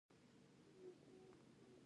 غوښې د لرغوني افغان کلتور سره تړاو لري.